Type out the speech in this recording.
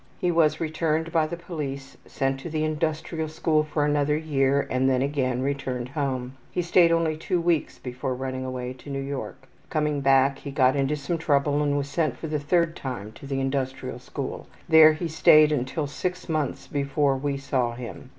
He was returned by the police, sent to the industrial school for another year, and then again returned home. He stayed only 2 weeks before running away to New York. Coming back he got into some trouble and was sent for the third time to the industrial school. There he stayed until 6 months before we saw him.